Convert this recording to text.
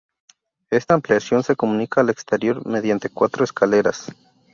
Esta ampliación se comunica al exterior mediante cuatro escaleras.